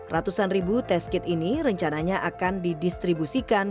ratusan ribu test kit ini rencananya akan didistribusikan